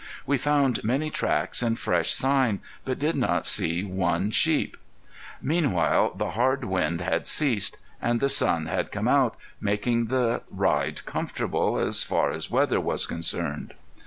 We found many tracks and fresh sign, but did not see one sheep. Meanwhile the hard wind had ceased, and the sun had come out, making the ride comfortable, as far as weather was concerned.